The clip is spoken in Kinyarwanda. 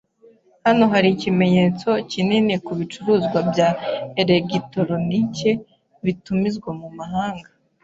Hano hari ikimenyetso kinini ku bicuruzwa bya elegitoroniki bitumizwa mu mahanga.